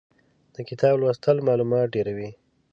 د کتاب لوستل مالومات ډېروي.